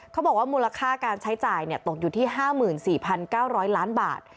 มูลค่าการใช้จ่ายตกอยู่ที่๕๔๙๐๐ล้านบาท